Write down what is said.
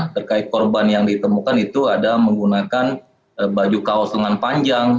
terkait korban yang ditemukan itu ada menggunakan baju kaos lengan panjang